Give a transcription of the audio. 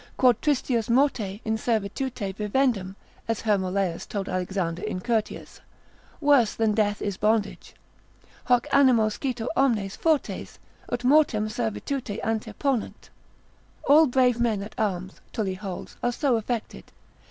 Quod tristius morte, in servitute vivendum, as Hermolaus told Alexander in Curtius, worse than death is bondage: hoc animo scito omnes fortes, ut mortem servituti anteponant, All brave men at arms (Tully holds) are so affected.